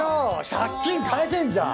借金返せんじゃん！